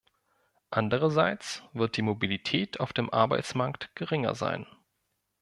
Andererseits wird die Mobilität auf dem Arbeitsmarkt geringer sein.